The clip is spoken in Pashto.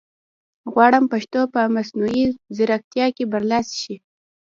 غواړم پښتو په مصنوعي ځیرکتیا کې برلاسې شي